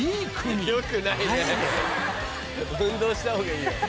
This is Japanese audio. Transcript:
運動した方がいいよ。